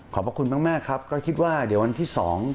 ขอบคุณมากครับก็คิดว่าเดี๋ยววันที่สอง